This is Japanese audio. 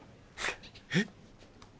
えっ？